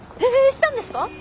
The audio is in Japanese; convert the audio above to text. したんですか？